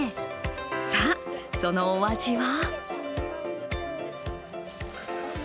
さあ、そのお味は？